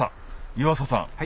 湯浅さん